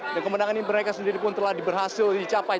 dan kemenangan ini mereka sendiri pun telah diberhasil dicapai